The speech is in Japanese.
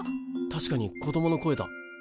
確かに子供の声だ。